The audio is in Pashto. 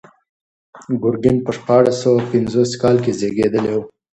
ګورګین په شپاړس سوه یو پنځوس کال کې زېږېدلی و.